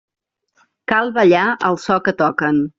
Cal ballar al so que toquen.